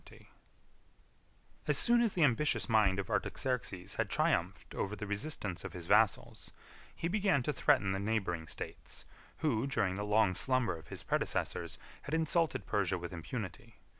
] As soon as the ambitious mind of Artaxerxes had triumphed ever the resistance of his vassals, he began to threaten the neighboring states, who, during the long slumber of his predecessors, had insulted Persia with impunity.